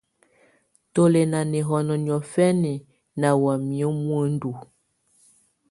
Tù lɛ̀ nà nɛhɔnɔ niɔ̀fɛna nà wamɛ̀á muǝndu.